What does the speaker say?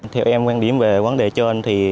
theo em quan điểm về vấn đề trên thì